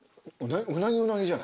うなぎ・うなぎじゃない。